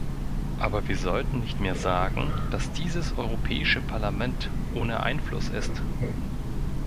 Aber wir sollten nicht mehr sagen, dass dieses Europäische Parlament ohne Einfluss ist!